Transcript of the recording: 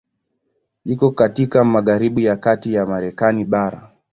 Iko katika magharibi ya kati ya Marekani bara.